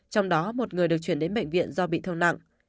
trong đó một người được chuyển đến bệnh viện do bị thương nặng